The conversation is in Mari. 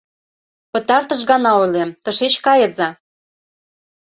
Пытартыш гана ойлем: тышеч кайыза!